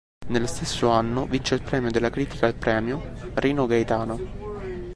Nello stesso anno vince il premio della critica al Premio Rino Gaetano.